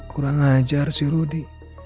kurang ajar si rudy